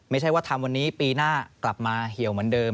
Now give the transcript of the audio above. ไม่ใช่ว่าทำวันนี้ปีหน้ากลับมาเหี่ยวเหมือนเดิม